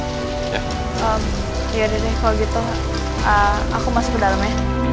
ya udah deh kalau gitu aku masuk ke dalam ya